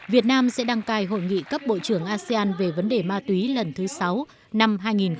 việt nam sẽ đăng cài hội nghị cấp bộ trưởng asean về vấn đề ma túy lần thứ sáu năm hai nghìn một mươi tám